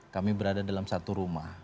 kami berada dalam satu rumah